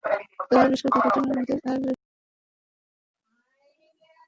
তোর আবিষ্কার দেখার জন্য আমাদের আর তর সইছে না!